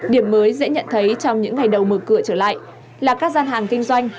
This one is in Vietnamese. điểm mới dễ nhận thấy trong những ngày đầu mở cửa trở lại là các gian hàng kinh doanh